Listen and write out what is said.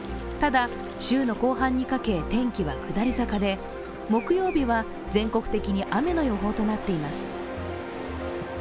ただ、週の後半にかけ天気は下り坂で木曜日は全国的に雨の予報となっています。